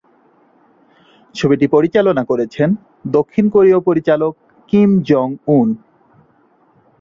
ছবিটি পরিচালনা করেছেন দক্ষিণ কোরীয় পরিচালক কিম জি-উন।